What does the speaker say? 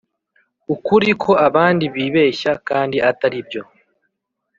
ukuri ko abandi bibeshya kandi ataribyo